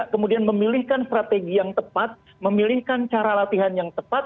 kemudian memilihkan strategi yang tepat memilihkan cara latihan yang tepat